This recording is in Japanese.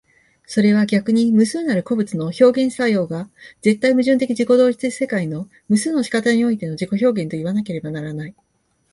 それは逆に無数なる個物の表現作用が絶対矛盾的自己同一的世界の無数の仕方においての自己表現といわなければならない。